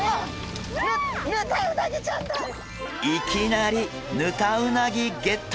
いきなりヌタウナギゲット！